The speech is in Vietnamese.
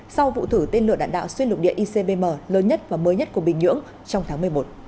sau vụ thử tên lửa đạn đạo xuyên lục địa icbm lớn nhất và mới nhất của bình nhưỡng trong tháng một mươi một